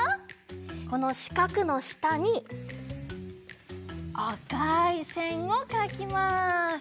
このしかくのしたにあかいせんをかきます。